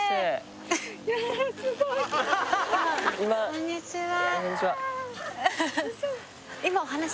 こんにちはあ